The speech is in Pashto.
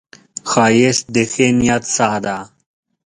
ښایست د ښې نیت ساه ده